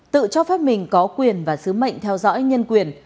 tự cho phép mình có quyền và sứ mệnh theo dõi nhân quyền